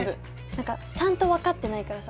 何かちゃんと分かってないからさ